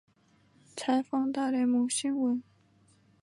采访大联盟新闻。